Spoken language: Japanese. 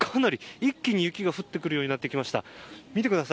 一気に雪が降ってくるようになってきました。